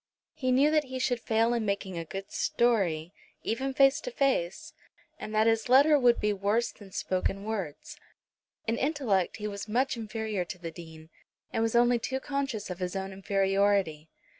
He knew that he should fail in making a good story, even face to face, and that his letter would be worse than spoken words. In intellect he was much inferior to the Dean, and was only too conscious of his own inferiority.